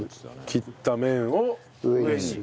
切った面を上に。